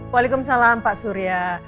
waalaikumsalam pak surya